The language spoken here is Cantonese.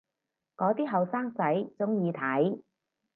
嗰啲後生仔鍾意睇